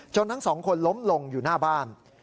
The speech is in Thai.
ทั้งสองคนล้มลงอยู่หน้าบ้าน